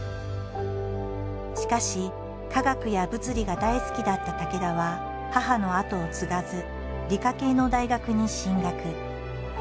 しかし化学や物理が大好きだった武田は母の跡を継がず理科系の大学に進学。